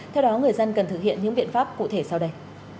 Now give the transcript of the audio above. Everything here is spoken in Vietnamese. theo đó người dân cần thực hiện những biện pháp cụ thể sau đây